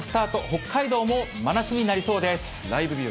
北海道も真夏日になりそうです。